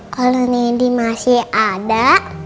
kalau nindi masih ada